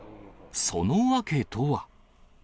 その訳とは。